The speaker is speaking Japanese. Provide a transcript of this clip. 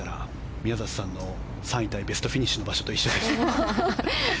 宮里さんの３位タイベストフィニッシュの場所と一緒です。